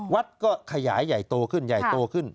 วัดก็ขยายใหญ่โตขึ้นใหญ่โตขึ้น